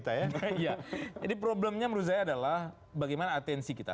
tapi problemnya menurut saya adalah bagaimana atensi kita